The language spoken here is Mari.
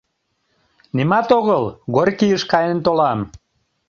Нимат огыл, Горькийыш каен толам.